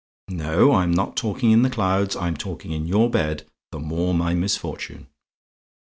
No; I'm not talking in the clouds; I'm talking in your bed, the more my misfortune.